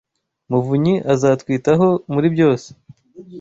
muvunyi azatwitaho muri byose.